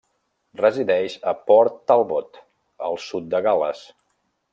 Resideix a Port Talbot, al sud de Gal·les.